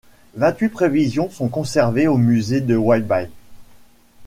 Vingt-huit prévisions sont conservées au musée de Whitby.